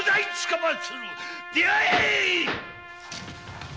出会え！